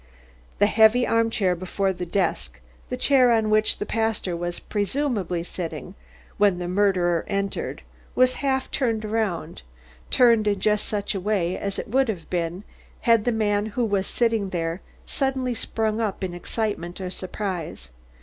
The heavy armchair before the desk, the chair on which the pastor was presumably sitting when the murderer entered, was half turned around, turned in just such a way as it would have been had the man who was sitting there suddenly sprung up in excitement or surprise.